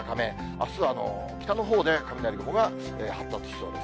あすは北のほうで雷雲が発達しそうです。